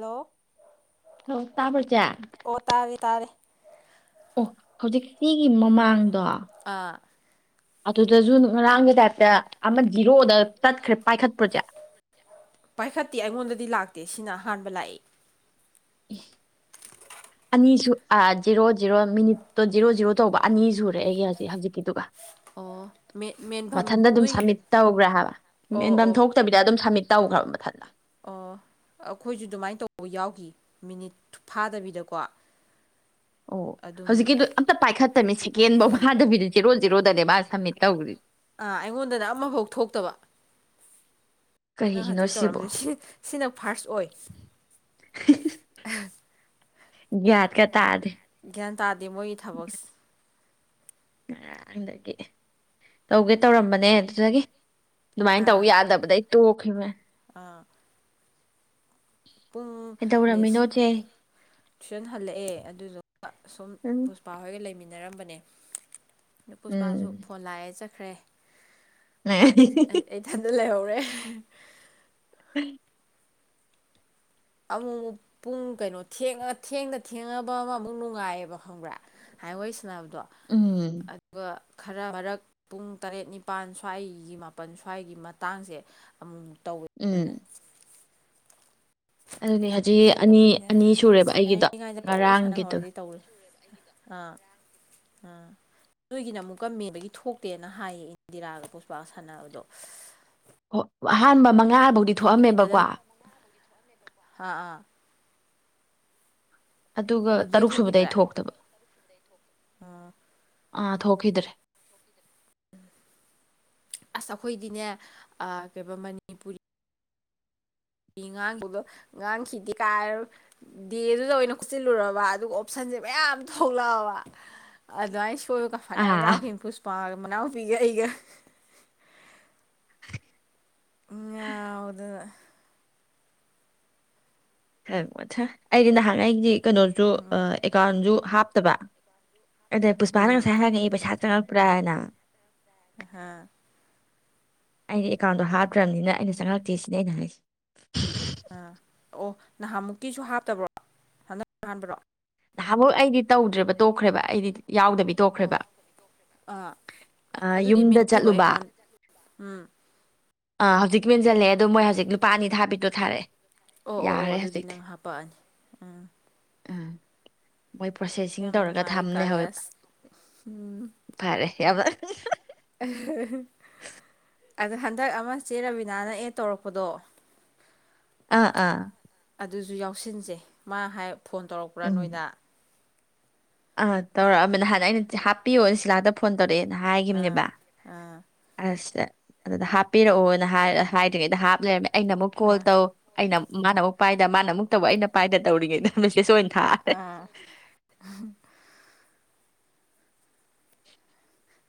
Hello ꯇꯥꯔꯦ [unintelligible] ꯑꯣ ꯍꯧꯖꯤꯛꯤꯒꯤ ꯃꯃꯥꯡꯗꯣ ꯑꯥ ꯑꯗꯨꯗꯁꯨ ꯉꯔꯥꯡꯒꯤ ꯇꯥꯏꯞꯇ ꯑꯃ ꯖꯤꯔꯣꯗ ꯆꯠꯈ꯭ꯔꯦ ꯄꯥꯏꯈꯠꯄ꯭ꯔꯁꯦ ꯄꯥꯏꯈꯠꯇꯦ ꯑꯩꯉꯣꯟꯗꯗꯤ ꯂꯥꯛꯇꯦ ꯁꯤꯅ ꯑꯍꯥꯟꯕ ꯂꯥꯛꯏ ꯎ ꯑꯅꯤꯁꯨ ꯑꯥ ꯖꯤꯦꯔꯣ ꯖꯦꯔꯣ ꯃꯤꯅꯤꯠꯇꯣ ꯖꯤꯦꯔꯣ ꯖꯤꯔꯣ ꯇꯧꯕ ꯑꯅꯤ ꯁꯨꯔꯦ ꯑꯩꯒꯤ ꯍꯧꯖꯤꯛ ꯍꯧꯖꯤꯛꯀꯤꯗꯨꯒ ꯑꯣ ꯃꯦ ꯃꯊꯟꯇ ꯑꯗꯨꯝ ꯁꯝꯃꯤꯠ ꯇꯧꯈ꯭ꯔꯦ ꯍꯥꯏꯕ ꯑꯣ ꯃꯦꯟꯐꯝ ꯑꯣ ꯊꯣꯛꯇꯕꯤꯗ ꯑꯗꯨꯝ ꯁꯝꯃꯤꯠ ꯇꯧꯈ꯭ꯔꯕ ꯃꯊꯟꯇ ꯑꯣ ꯑꯩꯈꯣꯏꯁꯨ ꯑꯗꯨꯃꯥꯏꯅ ꯇꯧꯕ ꯌꯥꯎꯈꯤ ꯃꯤꯅꯤꯠ ꯐꯥꯗꯕꯤꯗꯀꯣ [inaudible] ꯑꯣ ꯑꯗꯨꯝ ꯍꯧꯖꯤꯛꯀꯤꯗꯨꯣ ꯑꯝꯇ ꯄꯥꯏꯈꯠꯇꯕꯃꯤ ꯁꯦꯀꯦꯟꯐꯧ ꯋꯥꯗꯕꯤꯗ ꯖꯤꯔꯣ ꯖꯔꯣꯗꯅꯦ ꯃꯥ ꯁꯝꯃꯤꯠ ꯇꯧ ꯑꯥ ꯑꯩꯉꯣꯟꯗꯅ ꯑꯃꯐꯥꯎ ꯊꯣꯛꯇꯕ ꯅꯪ ꯀꯩꯒꯤꯅꯣ ꯍꯧꯖꯤꯛ ꯁꯤꯕꯣ ꯇꯧꯔꯝꯃꯤꯁꯦ ꯁꯤ ꯁꯤꯅ ꯐꯥꯔꯁ ꯑꯣꯏ ꯌꯥꯗ ꯀ ꯇꯥꯗ ꯒ꯭ꯌꯥꯟ ꯇꯥꯗꯦ ꯃꯣꯏꯒꯤ ꯊꯕꯛꯁꯦ ꯉꯗꯒꯤ ꯇꯧꯒꯦ ꯇꯧꯔꯝꯕꯅꯦ ꯑꯗꯨꯗꯒꯤ ꯑꯗꯨꯃꯥꯏꯅ ꯇꯧ ꯑꯥ ꯌꯥꯗꯕꯗꯒꯤꯩ ꯇꯣꯛꯈꯤꯕꯅꯦ ꯑꯥ ꯄꯨꯡ ꯅꯤ ꯀꯩꯗꯧꯔꯝꯃꯤꯅꯣ ꯆꯦ ꯇꯨꯏꯁꯟ ꯍꯜꯂꯛꯑꯦ ꯑꯗꯨꯗꯨꯒ ꯁꯨꯝ ꯎꯝ ꯅꯨꯄꯥ ꯍꯣꯏꯒ ꯂꯩꯃꯤꯟꯅꯔꯝꯕꯅꯦ ꯅꯨꯄꯤꯁꯨꯄꯥꯁꯨ ꯎꯝ ꯐꯣꯟ ꯂꯥꯛꯑꯦ ꯆꯠꯈ꯭ꯔꯦ ꯅꯦ ꯑꯩ ꯑꯩ ꯏꯊꯟꯗ ꯂꯩꯍꯧꯔꯦ ꯎꯝ ꯑꯃꯨꯛ ꯑꯃꯨꯛ ꯄꯨꯡ ꯀꯩꯅꯣꯉ ꯊꯦꯡꯅ ꯊꯦꯡꯉꯅꯕ ꯑꯃ ꯑꯃꯨꯛ ꯅꯨꯡꯉꯥꯏꯌꯦꯕ ꯈꯪꯕ꯭ꯔꯥ ꯍꯥꯏ ꯋꯥꯩ ꯁꯅꯕꯗꯣ ꯎꯝ ꯑꯗꯨꯒ ꯈꯔ ꯃꯔꯛ ꯄꯨꯡ ꯇꯔꯦꯠ ꯅꯤꯄꯥꯜ ꯁ꯭ꯋꯥꯏꯒꯤ ꯃꯥꯄꯜ ꯁ꯭ꯋꯥꯏꯒꯤ ꯃꯇꯥꯡꯁꯦ ꯑꯃꯨ ꯇꯧꯋꯦ ꯌꯥꯝꯅ ꯎꯝ ꯑꯗꯨꯗꯤ ꯑꯗꯨ ꯍꯧꯖꯤꯛ ꯑꯅꯤ ꯑꯩꯈꯣꯏꯅ ꯑꯅꯤ ꯁꯨꯔꯦꯕ ꯑꯩꯒꯤꯗꯣ ꯉꯔꯥꯡꯒꯤꯗꯨ ꯇꯧꯏ ꯑꯥ ꯑꯥ ꯅꯣꯏꯒꯤꯅ ꯑꯃꯨꯛ ꯀꯝꯃꯦꯕꯒꯤ ꯊꯣꯛꯇꯦꯅ ꯍꯥꯏꯌꯦ ꯏꯟꯗꯤꯔꯥꯒ ꯄꯣꯠꯁꯄꯥ ꯁꯥꯟꯅꯕꯗꯣ ꯑꯣ ꯑꯍꯥꯟꯕ ꯃꯉꯥꯕꯨꯗꯤ ꯑꯩꯒꯤꯗꯗ ꯑꯥ ꯑꯥ ꯑꯗꯨꯒ ꯑꯗꯨꯗꯩ ꯇꯔꯨꯛ ꯁꯨꯕꯗ ꯑꯩ ꯊꯣꯛꯈꯤꯗ꯭ꯔꯦ ꯊꯣꯛꯇꯕ ꯑꯥ ꯑꯥ ꯊꯣꯛꯈꯤꯗ꯭ꯔꯦ ꯑꯁ ꯑꯩꯈꯣꯏꯗꯤꯅꯦ ꯀꯩ ꯉꯥꯡꯕꯗꯣ ꯉꯉꯥꯡ ꯈꯈꯤꯗꯤ ꯀꯥꯏꯔꯣ ꯗꯦꯗꯨꯗ ꯑꯣꯏꯅ ꯈꯨꯠꯆꯤꯜꯂꯨꯔꯕ ꯑꯗꯨꯒ ꯑꯣꯞꯁꯟꯁꯦ ꯃꯌꯥꯝ ꯊꯣꯛꯂꯛꯑꯕ ꯑꯗꯨꯃꯥꯏꯅ ꯁꯣꯏꯕꯒ ꯐꯅꯌꯥꯝ ꯑꯥ ꯌꯥꯎꯈꯤ ꯏꯐꯨꯁꯄꯥ ꯃꯅꯥꯎꯄꯤꯒ ꯑꯩꯒ [unintelligible] ꯑꯩꯗꯤ ꯅꯍꯥꯟ ꯑꯩꯒꯤ ꯀꯩꯅꯣꯁꯨ ꯎꯝ ꯑꯦꯀꯥꯎꯟꯖ ꯍꯥꯞꯇꯕ ꯑꯗꯨꯗ ꯄꯨꯁꯄꯥꯅꯒ ꯎꯝ ꯁ ꯍꯥꯏꯔꯒ ꯑꯩꯕꯩ ꯁꯥꯇ꯭ꯔ ꯄꯨꯔꯥ ꯍꯥꯏꯅ ꯍꯥꯥ ꯑꯩꯅ ꯑꯦꯀꯥꯎꯟꯗꯣ ꯍꯥꯞꯇ꯭ꯔꯕꯅꯤꯅ ꯑꯩꯅ ꯆꯪꯪꯂꯛꯇꯦ ꯁꯤꯅ ꯑꯩꯅ ꯍꯥꯏꯁꯁꯤ ꯑꯥ ꯑꯣ ꯅꯍꯥꯟꯃꯨꯛꯀꯤꯁꯨ ꯍꯥꯞꯇꯕ꯭ꯔꯣ ꯍꯟꯗꯛ ꯍꯥꯟꯕ꯭ꯔꯣ ꯅꯍꯥ ꯑꯃꯨꯛ ꯑꯩꯗꯤ ꯇꯧꯗ꯭ꯔꯦꯕ ꯇꯣꯛꯈ꯭ꯔꯦꯕ ꯑꯩꯗꯤ ꯌꯥꯎꯗꯕꯤ ꯑꯣ ꯇꯣꯛꯈ꯭ꯔꯦꯕ ꯑꯥ ꯑꯥ, ꯑꯗꯨꯗꯤ ꯌꯨꯝꯗ ꯃꯦꯟꯁꯤꯜꯂꯣ ꯆꯠꯂꯨꯕ ꯑꯦꯀꯥꯎꯟ ꯎꯝ꯫ ꯑꯥ ꯍꯧꯖꯤꯛ ꯃꯦꯟꯖꯜꯂꯦ ꯑꯗꯣ ꯃꯣꯏ ꯍꯧꯖꯤꯛ ꯅꯨꯄꯥ ꯑꯅꯤ ꯊꯥꯕꯤꯗꯣ ꯊꯥꯔꯛꯑꯦ꯫ ꯑꯣ ꯑꯣ ꯑꯣ ꯌꯥꯔꯦ ꯑꯗꯨꯗꯤ ꯅꯪ ꯍꯥꯄꯛꯑꯅꯤ ꯎꯝ꯫ ꯑ꯫ ꯃꯣꯏ ꯄ꯭ꯔꯣꯁꯦꯁꯤꯡ ꯌꯥꯝ ꯇꯧꯔꯒ ꯅꯨꯡꯉꯥꯏꯌꯦ ꯊꯝꯅꯦ ꯍꯋꯦ ꯀꯥꯔꯤꯌꯥꯁ ꯎꯝ ꯐꯔꯦ ꯌꯚ꯫ [unintelligible] ꯑꯗ ꯍꯟꯗꯛ ꯑꯃ ꯆꯦ ꯔꯕꯤꯅꯥꯅ ꯑꯦꯗ ꯇꯧꯔꯛꯄꯗꯣ ꯑꯥ ꯑꯥ꯫ ꯑꯗꯨꯁꯨ ꯌꯥꯎꯁꯤꯟꯁꯦ ꯃꯥ ꯍꯥꯏ ꯐꯣꯟ ꯇꯧꯔꯛꯄ꯭ꯔꯥ ꯎꯝ ꯅꯣꯏꯗ꯫ ꯑꯥ ꯇꯧꯔꯛꯑꯃꯦ ꯅꯍꯥꯟ ꯑꯩꯅ ꯍꯥꯞꯄꯤꯌꯣ ꯁꯤꯂꯥꯛꯇ ꯐꯣꯟ ꯇꯧꯔꯛꯑꯦ ꯑꯥ ꯍꯥꯏꯈꯤꯕꯅꯦꯕ꯫ ꯑꯥ ꯑꯁ ꯑꯗꯨꯗ ꯍꯥꯞꯄꯤꯔꯛꯑꯣꯅ ꯍꯥꯏ ꯍꯥꯏꯗ꯭ꯔꯤꯉꯩꯗ ꯍꯥꯞ ꯂꯩꯔꯝꯃꯦ ꯑꯩꯅ ꯑꯃꯨꯛ ꯀꯣꯜ ꯑꯥ ꯇꯧ ꯑꯩꯅ ꯃꯥꯅ ꯑꯃꯨꯛ ꯄꯥꯏꯗ ꯃꯥꯅ ꯑꯃꯨꯛ ꯇꯧꯕ ꯑꯩꯅ ꯄꯥꯏꯗ ꯇꯧꯔꯤꯉꯩꯗ ꯃꯦꯁꯦꯁ ꯑꯣꯏꯅ ꯊꯥꯔꯦ ꯑꯥ꯫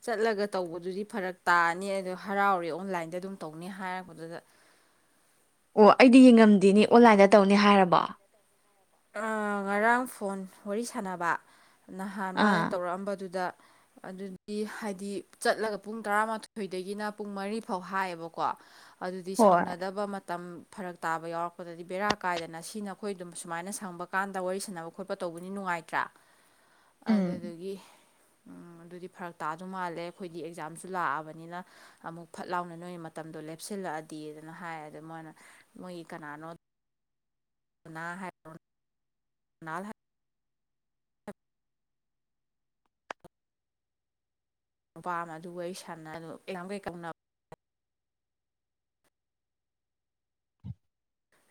ꯆꯠꯂꯒ ꯇꯧꯕꯗꯨꯗꯤ ꯐꯔꯛ ꯇꯥꯅꯤ ꯑꯗꯣ ꯍꯔꯥꯎꯔꯦ ꯑꯣꯟꯂꯥꯏꯟꯗ ꯑꯗꯨꯝ ꯇꯧꯅꯤ ꯍꯥꯏꯔꯛꯄꯗꯨꯗ꯫ ꯑꯣ ꯑꯩꯗꯤ ꯌꯦꯡꯉꯝꯗꯦꯅꯤ ꯑꯣꯟꯂꯥꯏꯟꯗ ꯇꯧꯅꯤ ꯍꯥꯏꯔꯕꯣ꯫ ꯑꯥ ꯉꯔꯥꯡ ꯐꯣꯟ ꯋꯥꯔꯤ ꯁꯥꯟꯅꯕ ꯅꯍꯥꯟ ꯃꯥꯅ ꯑꯥ ꯇꯧꯔꯛꯑꯝꯕꯗꯨꯗ꯫ ꯑꯗꯨꯗꯤ ꯍꯥꯏꯗꯤ ꯆꯠꯂꯒ ꯄꯨꯡ ꯇꯔꯥꯃꯥꯊꯣꯏꯗꯒꯤꯅ ꯄꯨꯡ ꯃꯔꯤ ꯐꯥꯎ ꯍꯥꯏꯌꯦꯕꯀꯣ꯫ ꯑꯗꯨꯗꯤ ꯍꯣꯏ ꯁꯪꯅꯗꯕ ꯃꯇꯝ ꯐꯔꯛ ꯇꯥꯕ ꯌꯥꯎꯔꯛꯄꯗꯗꯤ ꯕꯦꯔꯥ ꯀꯥꯏꯗꯅ ꯁꯤꯅ ꯑꯩꯈꯣꯏ ꯑꯗꯨꯝ ꯁꯨꯃꯥꯏꯅ ꯁꯪꯕ ꯀꯥꯟꯗ ꯋꯥꯔꯤ ꯁꯥꯟꯅꯕ ꯈꯣꯠꯄ ꯇꯧꯕꯅꯤ ꯅꯨꯡꯉꯥꯏꯇ꯭ꯔꯥ ꯎꯝ ꯑꯗꯨꯗꯒꯤ ꯎꯝ ꯑꯗꯨꯗꯤ ꯐꯔꯛ ꯇꯥꯗꯧ ꯃꯥꯜꯂꯦ ꯑꯩꯈꯣꯏꯗꯤ ꯑꯦꯛꯖꯥꯝꯁꯨ ꯂꯥꯛꯑꯕꯅꯤꯅ꯫ ꯑꯃꯨꯛ ꯐꯠ ꯂꯥꯎꯅ ꯅꯣꯏ ꯃꯇꯝꯗꯣ ꯂꯦꯞꯁꯤꯜꯂꯛꯑꯗꯤꯗꯅ ꯍꯥꯏ ꯑꯗ ꯃꯣꯏꯅ ꯃꯣꯏꯒꯤ ꯀꯅꯥꯅꯣ ꯄꯨꯅꯥ ꯍꯥꯏ [unintelligible] ꯅꯨꯄꯥ ꯑꯃ ꯑꯗꯨ ꯋꯥꯔꯤ ꯁꯥꯟꯅꯍꯜꯂꫭ ꯑꯗꯨ [inaudible]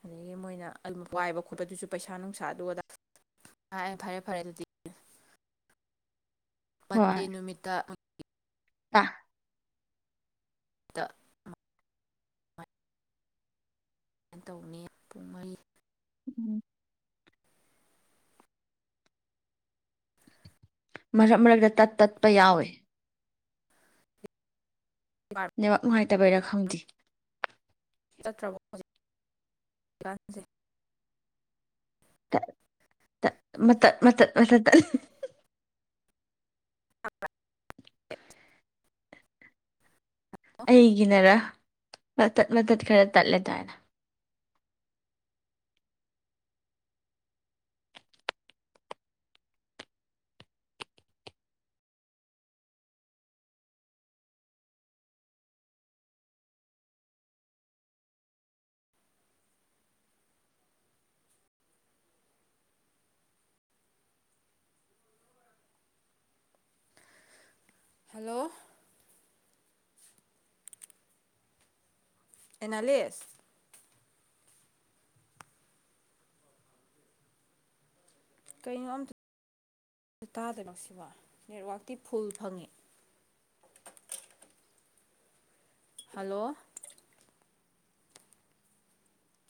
ꯑꯗꯒꯤ ꯃꯣꯏꯅ ꯑꯗꯨ ꯋꯥꯏꯕ ꯈꯣꯠꯄꯗꯨꯁꯨ ꯄꯩꯁꯥ ꯅꯨꯡꯁꯥ ꯑꯗꯨ ꯑꯗꯥ ꯐꯔꯦ ꯐꯔꯦ ꯑꯗꯨꯗꯤ꯫ ꯍꯣꯏ ꯄꯟꯗꯦ ꯅꯨꯃꯤꯠꯇ [unintelligible] [unintelligible] ꯇꯧꯅꯤ ꯄꯨꯡ ꯃꯔꯤ ꯎꯝ꯫ ꯃꯔꯛ ꯃꯔꯛꯇ ꯇꯠ ꯇꯠꯄ ꯌꯥꯎꯋꯦ꯫ [unintelligible] ꯅꯦꯋꯥꯛ ꯅꯨꯡꯉꯥꯏꯇꯕꯩꯔꯥ ꯈꯪꯗꯦ꯫ [inaudible] ꯇ ꯇ ꯃꯇꯠ ꯃꯇꯠ [inaudible] [unintelligible] ꯑꯩꯒꯤꯅꯔ ꯃꯇꯠ ꯃꯇꯠ ꯈꯔ ꯇꯠꯂꯦꯗꯥꯥꯏꯅ꯫ ꯍꯜꯂꯣ꯫ ꯑꯦꯅꯥꯂꯤꯁ꯫ ꯀꯩꯅꯣ ꯑꯝꯇ ꯇꯥꯗꯅꯁꯤꯕ ꯅꯦꯠꯋꯥꯛꯇꯤ ꯐꯨꯜ ꯐꯪꯉꯤ꯫ ꯍꯜꯂꯣ꯫